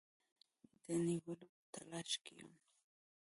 د نیولو په تلاښ کې یم.